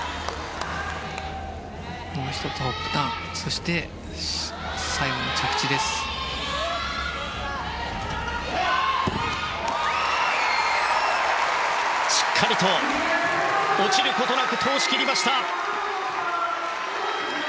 しっかりと落ちることなく通しきりました。